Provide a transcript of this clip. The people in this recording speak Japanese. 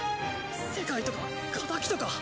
世界とか敵とか。